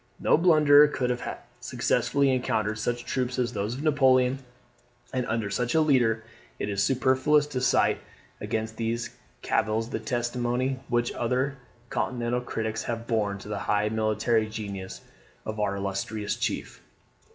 No blunderer could have successfully encountered such troops as those of Napoleon, and under such a leader. It is superfluous to cite against these cavils the testimony which other continental critics have borne to the high military genius of our illustrious chief.